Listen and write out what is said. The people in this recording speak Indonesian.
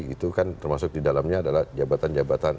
itu kan termasuk di dalamnya adalah jabatan jabatan